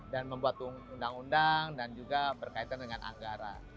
dan membuat undang undang dan juga berkaitan dengan anggara